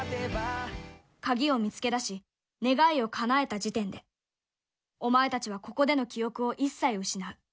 鍵を見つけ出し、願いをかなえた時点で、お前たちはここでの記憶を一切失う。